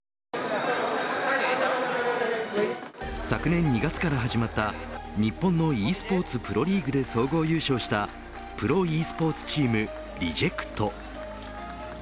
昨年２月から始まった日本のｅスポーツプロリーグで総合優勝したプロｅスポーツチームＲＥＪＥＣＴ。